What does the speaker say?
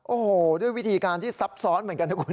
โอ้โหด้วยวิธีการที่ซับซ้อนเหมือนกันนะคุณ